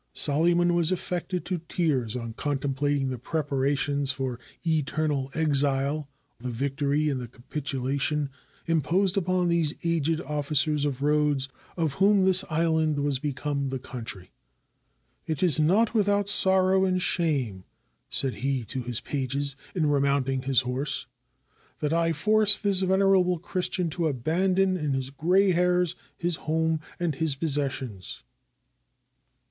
Solyman was af fected to tears on contemplating the preparations for eternal exile which the victory and the capitulation im posed upon these aged oflScers of Rhodes, of whom this island was become the country. " It is not without sorrow and shame," said he to his pages in remounting his horse, "that I force this venerable Christian to abandon in his gray hairs his home and his possessions."